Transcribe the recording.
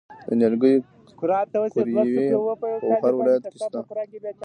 د نیالګیو قوریې په هر ولایت کې شته.